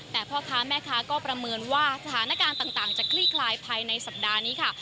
แต่พ่อค้าแม่ค้าก็ประเมินว่าสถานการณ์ต่างจะคลี่คลายภายในสัปดาห์นี้ค่ะ